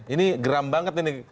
ini geram banget ini